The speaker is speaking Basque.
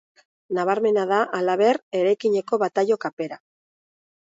Nabarmena da, halaber, eraikineko bataio-kapera.